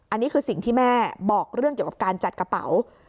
อันนี้คือสิ่งที่แม่บอกเรื่องเกี่ยวกับการจัดกระเป๋า